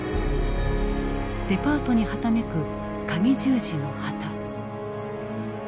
デパートにはためくカギ十字の旗。